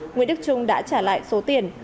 nguyễn đức trung đã trả lại số tiền